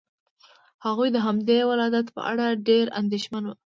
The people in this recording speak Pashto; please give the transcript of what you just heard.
هغوی د همدې ولادت په اړه ډېر اندېښمن وو.